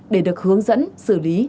để được hướng dẫn xử lý